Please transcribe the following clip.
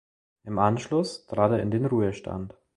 Im Anschluss trat er in den Ruhestand.